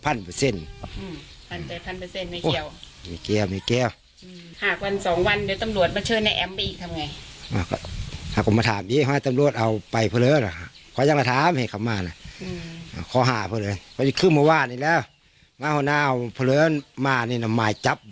อันนี้น่ะมายจับบริมาณไม่ใช่อ่ะก็แล้วไปอืมมายเรียก